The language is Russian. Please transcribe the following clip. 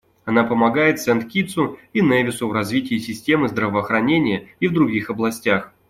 Она помогает Сент-Китсу и Невису в развитии системы здравоохранения и в других областях.